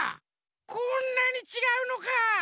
こんなにちがうのか。